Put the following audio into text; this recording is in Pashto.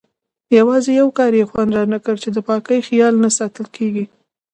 یوازې یو کار یې خوند رانه کړ چې د پاکۍ خیال نه ساتل کېږي.